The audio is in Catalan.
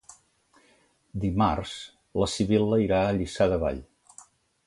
Dimarts na Sibil·la irà a Lliçà de Vall.